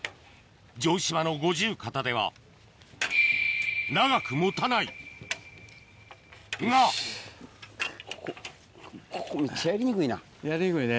城島の五十肩では長く持たないがやりにくいね